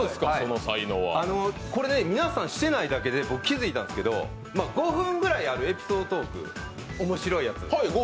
これね、皆さんしてないだけで僕、気づいたんですけど、５分くらいあるエピソードトーク、面白いやつ。